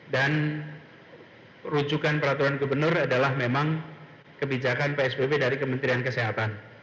dan rujukan peraturan gubernur adalah memang kebijakan psbb dari kementerian kesehatan